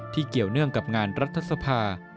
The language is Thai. เกี่ยวเนื่องกับงานรัฐสภา